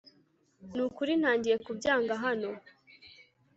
Nukuri ntangiye kubyanga hano